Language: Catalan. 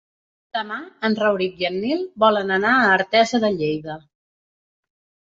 Demà en Rauric i en Nil volen anar a Artesa de Lleida.